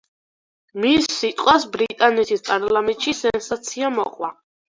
მის სიტყვას ბრიტანეთის პარლამენტში სენსაცია მოყვა.